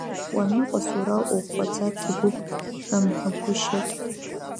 Уаныҟаз уара уӷәӷәаӡа, Ҭабуп рымҳәагәышьеит.